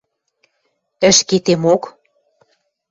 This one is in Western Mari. – Ӹшкетемок.